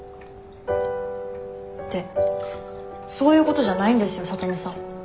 ってそういうことじゃないんですよ聡美さん。